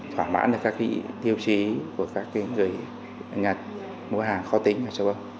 thỏa mãn được các tiêu chí của các người nhật mua hàng khó tính ở châu âu